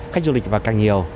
khách du lịch vào càng nhiều